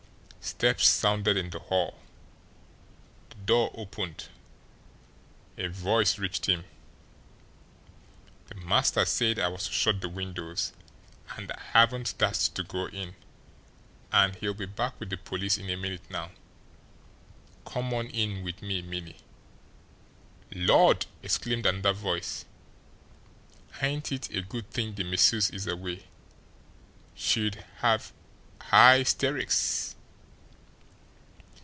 Steps sounded in the hall. The door opened a voice reached him: "The master said I was to shut the windows, and I haven't dast to go in. And he'll be back with the police in a minute now. Come on in with me, Minnie." "Lord!" exclaimed another voice. "Ain't it a good thing the missus is away. She'd have highsteericks!"